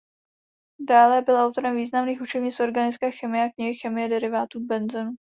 Dále byl autorem významných učebnic organické chemie a knihy "Chemie derivátů benzenu".